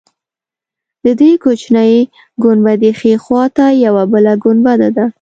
د دې کوچنۍ ګنبدې ښی خوا ته یوه بله ګنبده ده.